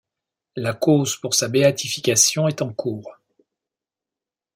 La cause pour sa béatification est en cours.